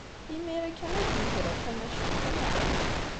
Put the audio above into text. Imir-a kan ay tzegleḍ tamacint, naɣ?